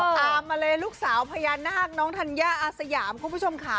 ตามมาเลยลูกสาวพญานาคน้องธัญญาอาสยามคุณผู้ชมค่ะ